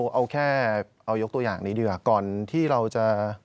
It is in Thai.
เอาแค่เอายกตัวอย่างนี้ดีกว่าก่อนที่เราจะ